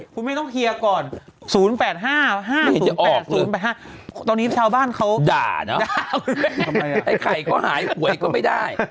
คุณไม่ต้องเคลียร์ก่อน๐๘๕๕๐๘๐๕ตอนนี้ชาวบ้านเขาด่าเนอะไอ้ใครก็หายป่วยก็ไม่ได้